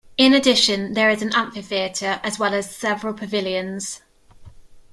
In addition, there is an amphitheater as well as several pavilions.